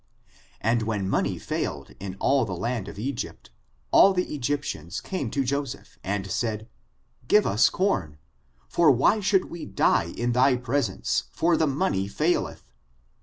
And when money failed in all the land of Egypt, all the Egyptians came to Joseph, and said: give us com, for why should we die in thy presence, for the money faileth.